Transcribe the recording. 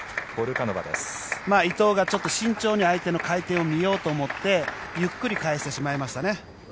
伊藤が慎重に相手の回転を見ようと思ってゆっくり返してしまいましたね。